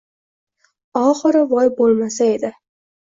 Oxiri voy bo‘lmasa edi...